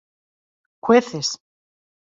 cueces